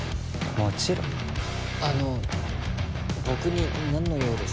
もちろんあの僕に何の用ですか？